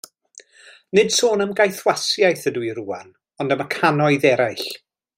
Nid sôn am gaethwasiaeth ydw i rŵan, ond am y cannoedd eraill.